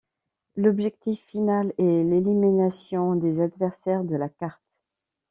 L'objectif final est l'élimination des adversaires de la carte.